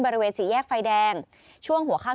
บริเวณสี่แยกไฟแดงช่วงหัวค่ำ